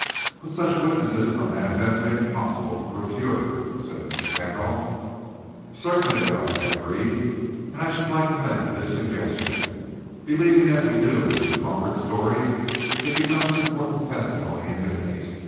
"But such witnesses are manifestly impossible to procure," said Mr. Randolph. "Certainly they are," I agreed, "and I should like to make this suggestion: Believing, as we do, in Mr. Crawford's story, it becomes important testimony in the case.